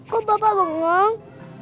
kok bapak bengong